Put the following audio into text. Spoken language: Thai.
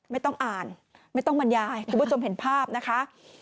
ไม่ต้องอ่านไม่ต้องบรรยายคุณผู้ชมเห็นภาพนะคะ